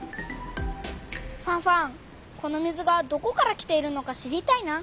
ファンファンこの水がどこから来ているのか知りたいな。